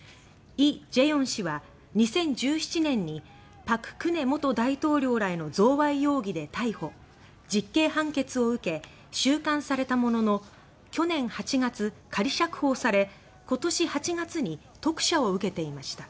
李在鎔氏は２０１７年に朴槿恵元大統領らへの贈賄容疑で逮捕・実刑判決を受け収監されたものの去年８月仮釈放され今年８月に特赦を受けていました。